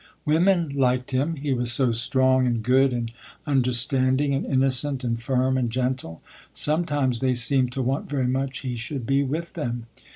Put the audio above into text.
Women liked him, he was so strong, and good, and understanding, and innocent, and firm, and gentle. Sometimes they seemed to want very much he should be with them.